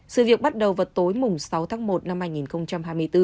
sự việc bắt đầu vào tối sáu tháng một năm hai nghìn hai mươi bốn